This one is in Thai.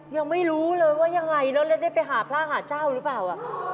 ยังไม่รู้เลยว่ายังไงแล้วได้ไปหาพระหาเจ้าหรือเปล่า